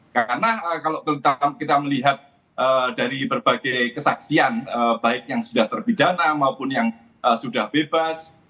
karena kalau kita melihat dari berbagai kesaksian baik yang sudah terbidana maupun yang sudah bebas